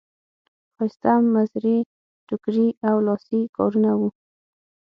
ښایسته مزري ټوکري او لاسي کارونه وو.